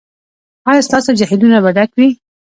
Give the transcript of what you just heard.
ایا ستاسو جهیلونه به ډک وي؟